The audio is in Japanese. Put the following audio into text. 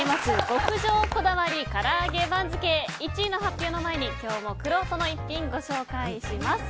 極上こだわり唐揚げ番付１位の発表の前に今日もくろうとの逸品ご紹介します。